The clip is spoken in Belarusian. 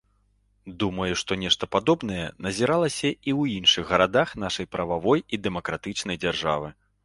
Думаю, што нешта падобнае назіралася і ў іншых гарадах нашай прававой і дэмакратычнай дзяржавы.